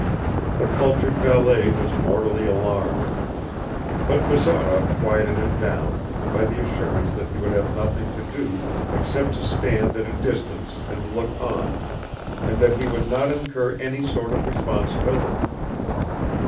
The cultured valet was mortally alarmed; but Bazarov quieted him down by the assurance that he would have nothing to do except to stand at a distance and look on, and that he would not incur any sort of responsibility.